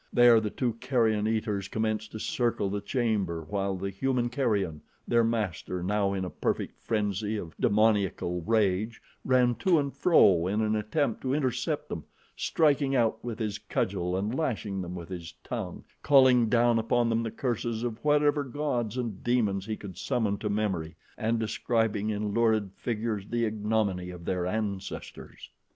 There the two carrion eaters commenced to circle the chamber while the human carrion, their master, now in a perfect frenzy of demoniacal rage, ran to and fro in an effort to intercept them, striking out with his cudgel and lashing them with his tongue, calling down upon them the curses of whatever gods and demons he could summon to memory, and describing in lurid figures the ignominy of their ancestors.